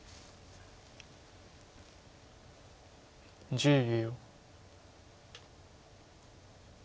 １０秒。